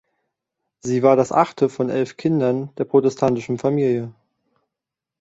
Sie war das achte von elf Kindern der protestantischen Familie.